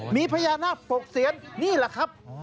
มีพระยาหน้าปกเศียรนี่แหละครับ